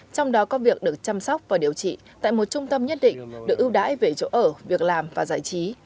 trong đó có việc được chăm sóc và điều trị tại một trung tâm nhất định được ưu đãi về chỗ ở việc làm và giải trí